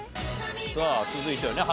さあ続いてはね